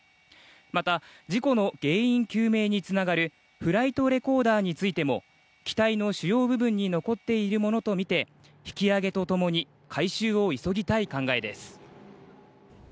また、事故の原因究明につながるフライトレコーダーについても機体の主要部分に残っているものとみて引き揚げとともに回収を急ぎたい考えです。